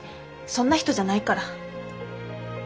そんな人じゃないから。